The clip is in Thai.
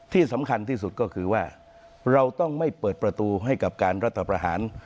ที่สำคัญที่สุดก็คือว่าเราต้องไม่เปิดประตูให้กับการรัฐประหาร